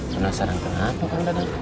penasaran kenapa kang dadang